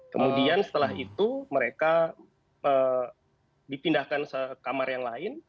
kemudian setelah itu mereka dipindahkan kamar yang lain